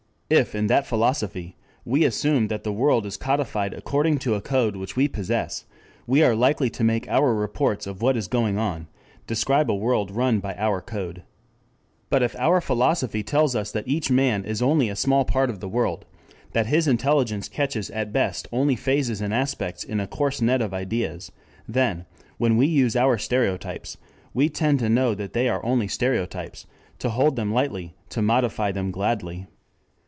If in that philosophy we assume that the world is codified according to a code which we possess, we are likely to make our reports of what is going on describe a world run by our code. But if our philosophy tells us that each man is only a small part of the world, that his intelligence catches at best only phases and aspects in a coarse net of ideas, then, when we use our stereotypes, we tend to know that they are only stereotypes, to hold them lightly, to modify them gladly.